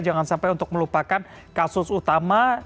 jangan sampai untuk melupakan kasus utama